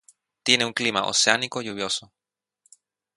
Tiene un clima oceánico lluvioso.